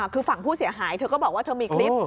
คือฝั่งผู้เสียหายเธอก็บอกว่าเธอมีคลิป